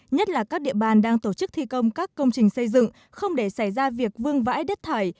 nhất là các địa bàn đang tổ chức thi công các công trình xây dựng không để xảy ra việc vương vãi đất thải